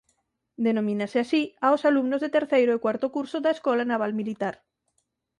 Denominase así aos alumnos de terceiro e cuarto curso da Escola Naval Militar.